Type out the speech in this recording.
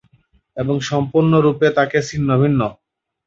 এবং সম্পূর্ণরূপে তাকে ছিন্নভিন্ন।